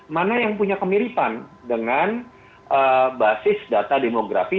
mana yang punya kemiripan dengan basis data demografi